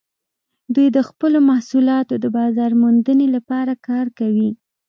دوی د خپلو محصولاتو د بازارموندنې لپاره کار کوي